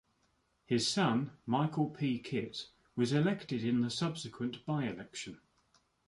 His son Michael P. Kitt was elected in the subsequent by-election.